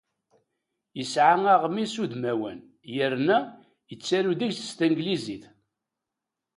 Yesɛa aɣmis udmawan yerna yettaru deg-s s tanglizit.